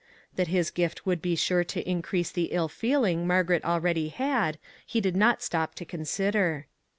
That his gift would be sure to increase the ill feeling Margaret al ready had, he did not stop to consider.